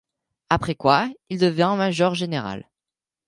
Après quoi, il devint major-général.